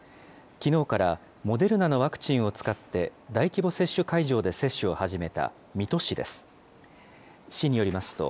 きのうからモデルナのワクチンを使って、大規模接種会場で接種を始めた水戸市です。